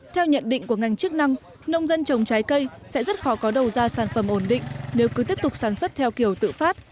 theo nhận định của ngành chức năng nông dân trồng trái cây sẽ rất khó có đầu ra sản phẩm ổn định nếu cứ tiếp tục sản xuất theo kiểu tự phát